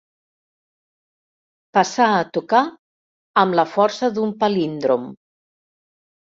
Passar a tocar, amb la força d'un palíndrom.